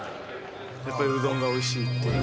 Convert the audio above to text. やっぱりうどんがおいしいっていう。